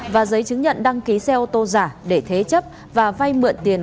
và giấy chứng nhận đăng ký xe ô tô giả để thế chấp và vay mượn tiền